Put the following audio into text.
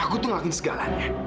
aku sudah melakukan segalanya